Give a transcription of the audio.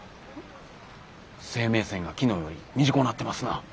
生命線が昨日より短なってますな。